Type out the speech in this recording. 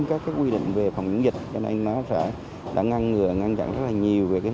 các quy định